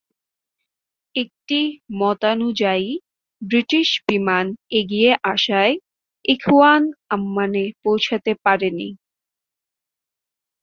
একটি মতানুযায়ী ব্রিটিশ বিমান এগিয়ে আসায় ইখওয়ান আম্মানে পৌছাতে পারেনি।